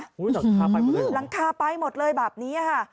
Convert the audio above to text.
หลังคาไปหมดเลยแบบนี้ฮะ